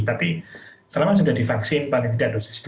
tapi selama sudah divaksin paling tidak dosis dua